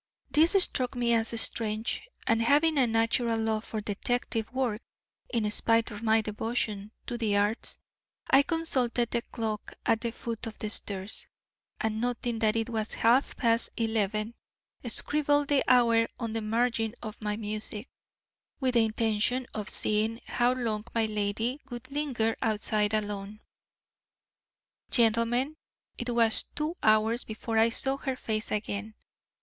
This struck me as strange, and having a natural love for detective work, in spite of my devotion to the arts, I consulted the clock at the foot of the stairs, and noting that it was half past eleven, scribbled the hour on the margin of my music, with the intention of seeing how long my lady would linger outside alone. Gentlemen, it was two hours before I saw her face again.